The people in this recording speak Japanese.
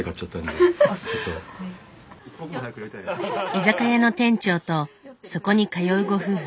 居酒屋の店長とそこに通うご夫婦。